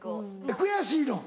悔しいの？